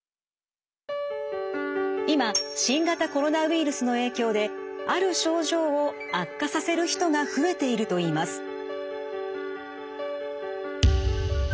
今新型コロナウイルスの影響である症状を悪化させる人が増えているといいます。